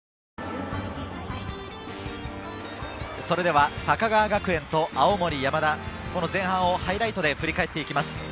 それでは高川学園と青森山田、前半をハイライトで振り返っていきます。